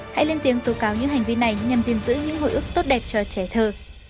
hãy lên tiếng tố cáo những hành vi này nhằm tìm giữ những hồi ức tốt đẹp cho trẻ thơ